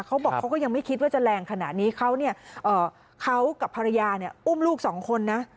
เขาบอกเขาก็ยังไม่คิดว่าจะแรงขนาดนี้เขากับภรรยาอุ้มลูก๒คนนะ